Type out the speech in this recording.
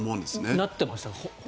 なってました？